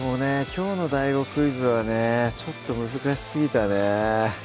きょうのＤＡＩＧＯクイズはねちょっと難しすぎたね